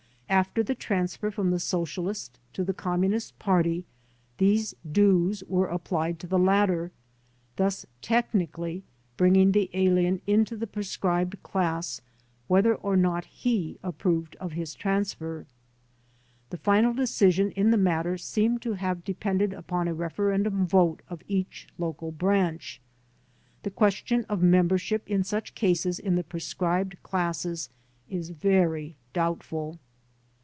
After the transfer from the Socialist to the Communist Party these dues were applied to the latter, thus technically bringing the alien into the proscribed class whether or not he approved of his transfer. The final decision in the mat ter seemed to have depended upon a referendum vote of each local branch. The question of membership of such cases in the proscribed classes is very doubtful.